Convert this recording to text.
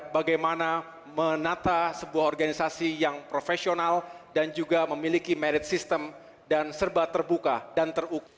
bagaimana menata sebuah organisasi yang profesional dan juga memiliki merit system dan serba terbuka dan terukur